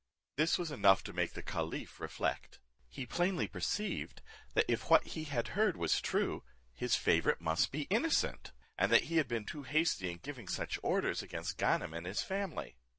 This was enough to make the caliph reflect. He plainly perceived, that if what he had heard was true, his favourite must be innocent, and that he had been too hasty in giving such orders against Ganem and his family.